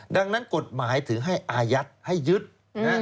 ดังนั้นกฎหมายถึงให้อายัดให้ยึด